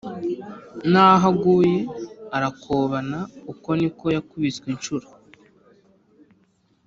N’aho aguye arakobana uko niko yakubiswe incuro.